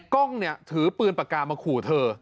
กล้องเนี่ยถือปืนปากกามาขู่เธอ